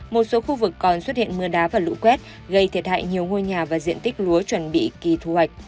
một số khu vực còn xuất hiện mưa đá và lũ quét gây thiệt hại nhiều ngôi nhà và diện tích lúa chuẩn bị kỳ thu hoạch